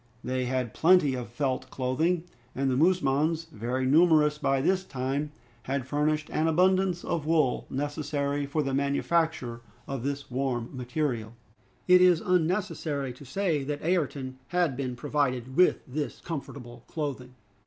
They had plenty of felt clothing, and the musmons, very numerous by this time, had furnished an abundance of wool necessary for the manufacture of this warm material. It is unnecessary to say that Ayrton had been provided with this comfortable clothing.